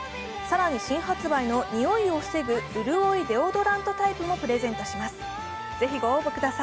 更に新発売のにおいを防ぐ、うるおいデオドラントタイプもプレゼントします。